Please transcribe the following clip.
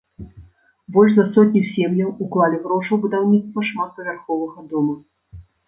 Больш за сотню сем'яў уклалі грошы ў будаўніцтва шматпавярховага дома.